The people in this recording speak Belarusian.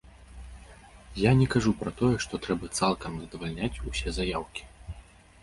Я не кажу пра тое, што трэба цалкам задавальняць усе заяўкі.